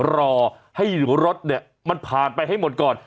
รอให้รถเนี่ยมันผ่านไปให้หมดก่อน